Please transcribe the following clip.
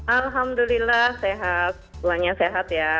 alhamdulillah sehat semuanya sehat ya